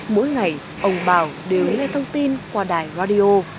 mỗi ngày ông bảo đều nghe thông tin qua đài radio